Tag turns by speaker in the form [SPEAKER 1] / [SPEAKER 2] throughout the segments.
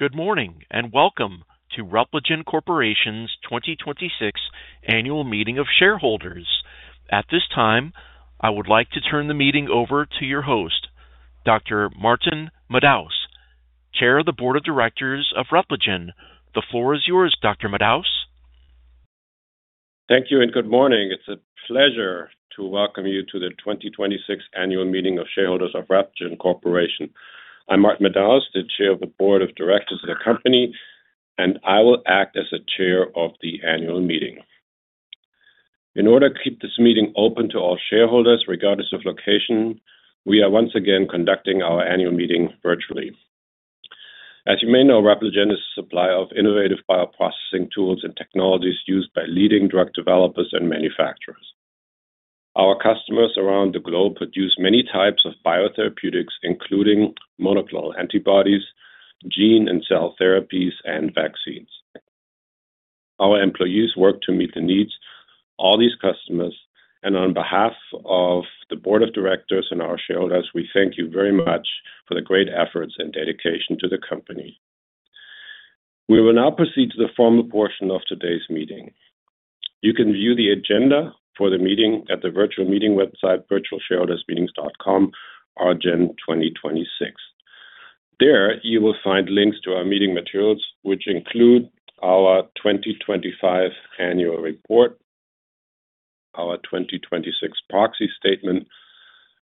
[SPEAKER 1] Good morning, welcome to Repligen Corporation 2026 Annual Meeting of Shareholders. At this time, I would like to turn the meeting over to your host, Dr. Martin Madaus, Chair of the Board of Directors of Repligen. The floor is yours, Dr. Madaus.
[SPEAKER 2] Thank you. Good morning. It's a pleasure to welcome you to the 2026 Annual Meeting of Shareholders of Repligen Corporation. I'm Martin Madaus, the Chair of the Board of Directors of the company, and I will act as the chair of the annual meeting. In order to keep this meeting open to all shareholders, regardless of location, we are once again conducting our annual meeting virtually. As you may know, Repligen is a supplier of innovative bioprocessing tools and technologies used by leading drug developers and manufacturers. Our customers around the globe produce many types of biotherapeutics, including monoclonal antibodies, gene and cell therapies, and vaccines. Our employees work to meet the needs of all these customers, and on behalf of the Board of Directors and our shareholders, we thank you very much for the great efforts and dedication to the company. We will now proceed to the formal portion of today's meeting. You can view the agenda for the meeting at the virtual meeting website virtualshareholdersmeetings.com/rgen2026. There, you will find links to our meeting materials, which include our 2025 annual report, our 2026 proxy statement,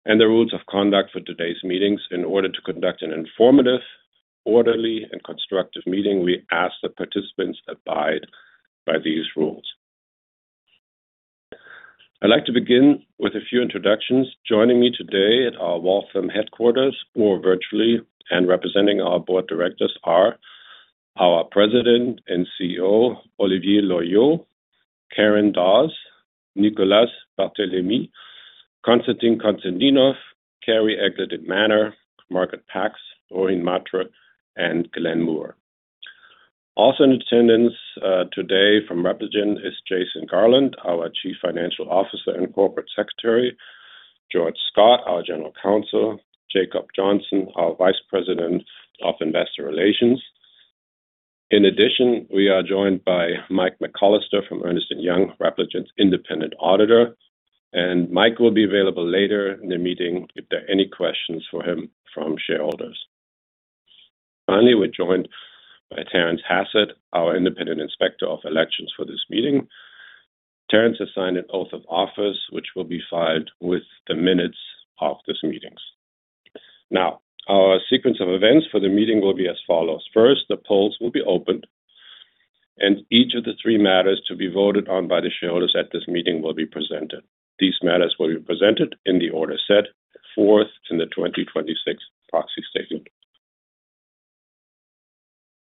[SPEAKER 2] and the rules of conduct for today's meetings. In order to conduct an informative, orderly, and constructive meeting we ask that participants abide by these rules. I'd like to begin with a few introductions. Joining me today at our Waltham headquarters or virtually and representing our board directors are our President and CEO, Olivier Loeillot, Karen Dawes, Nicolas Barthelemy, Konstantin Konstantinov, Carrie Eglinton Manner, Margaret Pax, Rohin Mhatre, and Glenn Muir. Also in attendance today from Repligen is Jason Garland, our Chief Financial Officer and Corporate Secretary, George Scott, our General Counsel, Jacob Johnson, our Vice President of Investor Relations. In addition, we are joined by Mike McCollister from Ernst & Young, Repligen's independent auditor, and Mike will be available later in the meeting if there are any questions for him from shareholders. Finally, we're joined by Terrence Hassett, our independent inspector of elections for this meeting. Terrence has signed an oath of office, which will be filed with the minutes of this meeting. Now, our sequence of events for the meeting will be as follows. First, the polls will be opened, and each of the three matters to be voted on by the shareholders at this meeting will be presented. These matters will be presented in the order set forth in the 2026 proxy statement.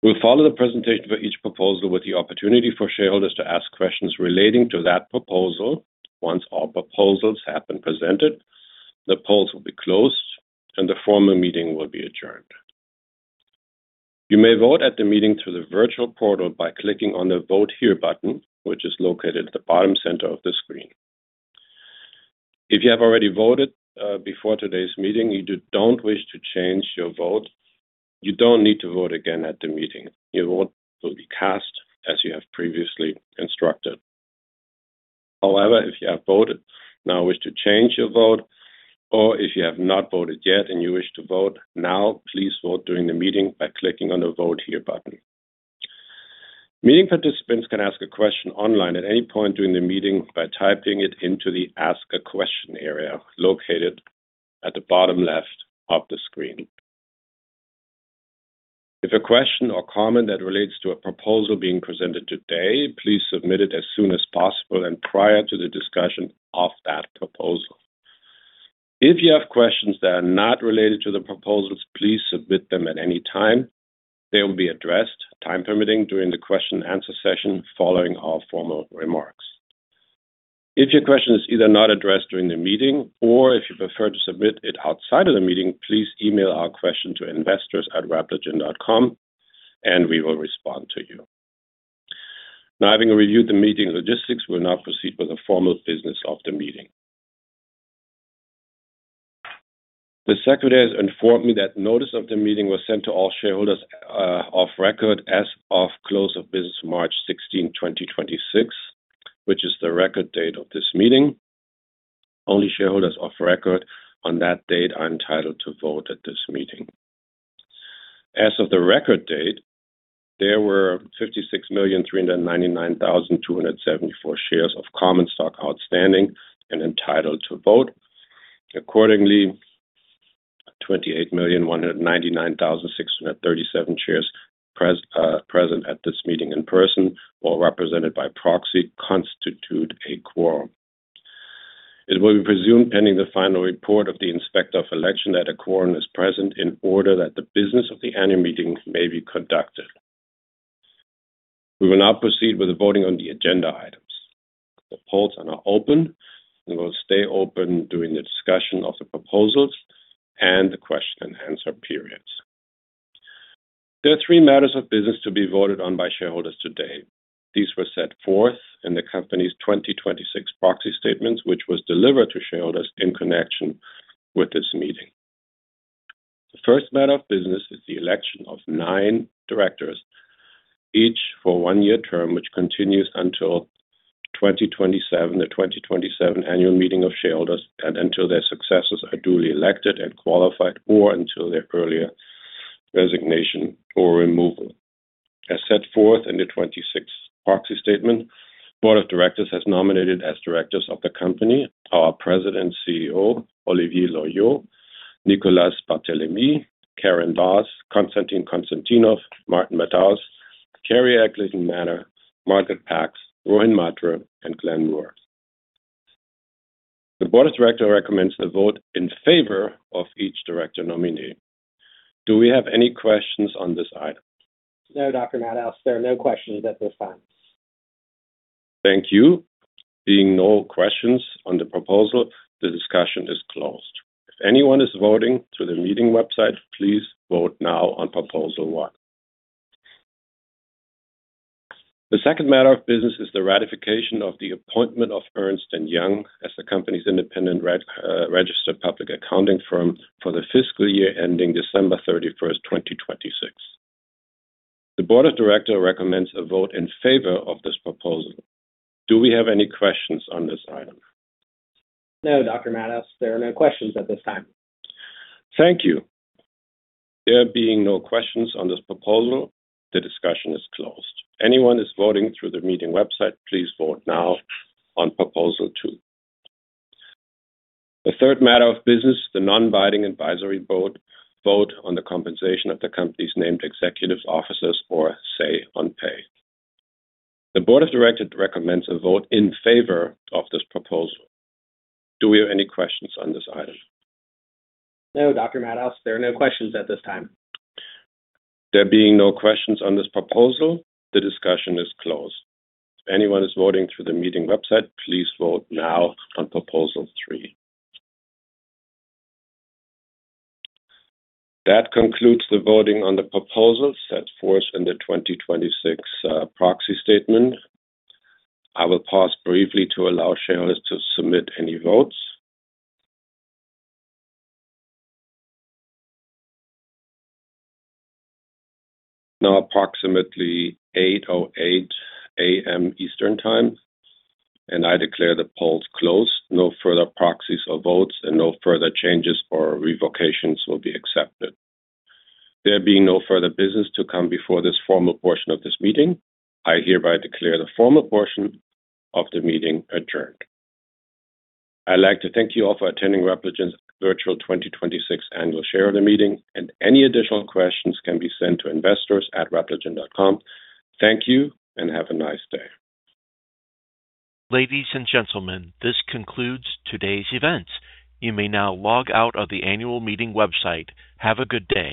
[SPEAKER 2] We'll follow the presentation for each proposal with the opportunity for shareholders to ask questions relating to that proposal. Once all proposals have been presented, the polls will be closed, and the formal meeting will be adjourned. You may vote at the meeting through the virtual portal by clicking on the Vote Here button, which is located at the bottom center of the screen. If you have already voted before today's meeting and you don't wish to change your vote, you don't need to vote again at the meeting. Your vote will be cast as you have previously instructed. However, if you have voted and now wish to change your vote, or if you have not voted yet and you wish to vote now, please vote during the meeting by clicking on the Vote Here button. Meeting participants can ask a question online at any point during the meeting by typing it into the Ask a Question area located at the bottom left of the screen. If a question or comment that relates to a proposal being presented today, please submit it as soon as possible and prior to the discussion of that proposal. If you have questions that are not related to the proposals, please submit them at any time. They will be addressed, time permitting, during the question and answer session following our formal remarks. If your question is either not addressed during the meeting or if you prefer to submit it outside of the meeting, please email our question to investors@repligen.com, and we will respond to you. Now, having reviewed the meeting logistics, we'll now proceed with the formal business of the meeting. The secretary has informed me that notice of the meeting was sent to all shareholders, off record as of close of business March 16, 2026, which is the record date of this meeting. Only shareholders of record on that date are entitled to vote at this meeting. As of the record date, there were 56,399,274 shares of common stock outstanding and entitled to vote. Accordingly, 28,199,637 shares present at this meeting in person or represented by proxy constitute a quorum. It will be presumed, pending the final report of the Inspector of Election, that a quorum is present in order that the business of the annual meeting may be conducted. We will now proceed with the voting on the agenda items. The polls are now open and will stay open during the discussion of the proposals and the question and answer periods. There are three matters of business to be voted on by shareholders today. These were set forth in the company's 2026 proxy statements, which was delivered to shareholders in connection with this meeting. The first matter of business is the election of nine directors, each for one-year term, which continues until 2027. The 2027 annual meeting of shareholders and until their successors are duly elected and qualified, or until their earlier resignation or removal. As set forth in the 2026 proxy statement, Board of Directors has nominated as directors of the company our President CEO, Olivier Loeillot, Nicolas Barthelemy, Karen Dawes, Konstantin Konstantinov, Martin Madaus, Carrie Eglinton Manner, Margaret Pax, Rohin Mhatre, and Glenn Muir. The Board of Director recommends a vote in favor of each director nominee. Do we have any questions on this item?
[SPEAKER 3] No, Dr. Madaus. There are no questions at this time.
[SPEAKER 2] Thank you. Being no questions on the proposal, the discussion is closed. If anyone is voting through the meeting website, please vote now on proposal one. The second matter of business is the ratification of the appointment of Ernst & Young as the company's independent registered public accounting firm for the fiscal year ending December 31st, 2026. The Board of Directors recommends a vote in favor of this proposal. Do we have any questions on this item?
[SPEAKER 3] No, Dr. Madaus, there are no questions at this time.
[SPEAKER 2] Thank you. There being no questions on this proposal, the discussion is closed. Anyone who's voting through the meeting website, please vote now on proposal two. The third matter of business, the non-binding advisory vote. Vote on the compensation of the company's named executive officers or say on pay. The Board of Directors recommends a vote in favor of this proposal. Do we have any questions on this item?
[SPEAKER 3] No, Dr. Madaus, there are no questions at this time.
[SPEAKER 2] There being no questions on this proposal, the discussion is closed. If anyone is voting through the meeting website, please vote now on proposal three. That concludes the voting on the proposals set forth in the 2026 proxy statement. I will pause briefly to allow shareholders to submit any votes. It's now approximately 8:00 A.M. Eastern Time, and I declare the polls closed. No further proxies or votes and no further changes or revocations will be accepted. There being no further business to come before this formal portion of this meeting, I hereby declare the formal portion of the meeting adjourned. I'd like to thank you all for attending Repligen's Virtual 2026 Annual Shareholder Meeting and any additional questions can be sent to investors@repligen.com. Thank you and have a nice day.
[SPEAKER 1] Ladies and gentlemen, this concludes today's events. You may now log out of the annual meeting website. Have a good day.